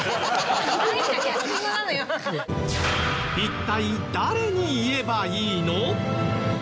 一体誰に言えばいいの？